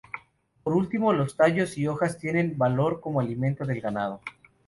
Por último, los tallos y hojas tienen valor como alimento del ganado.